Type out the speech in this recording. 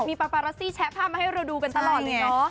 มีปาปารัสซี่แชะภาพมาให้เราดูกันตลอดเลยเนาะ